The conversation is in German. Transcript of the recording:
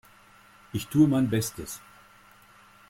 Ich tu mein Bestes.